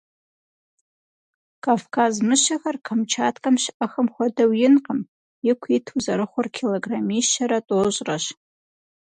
Кавказ мыщэхэр Камчаткэм щыIэхэм хуэдэу инкъым - ику иту зэрыхъур килограммищэрэ тIощIрэщ.